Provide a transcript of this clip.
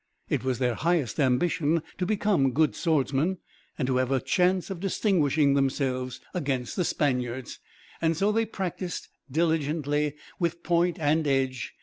It was their highest ambition to become good swordsmen, and to have a chance of distinguishing themselves against the Spaniards; and so they practiced diligently, with point and edge.